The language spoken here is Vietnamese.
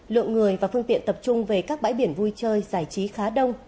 lượng người và phương tiện tập trung về các bãi biển vui chơi giải trí khá đông